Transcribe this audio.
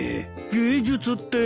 芸術って？